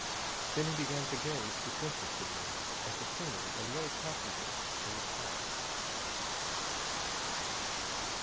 Then he began to gaze disinterestedly at the scenery and the other passengers in the car.